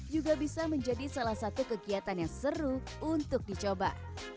juga bisa menjadi salah satu kegiatan yang seru untuk dicoba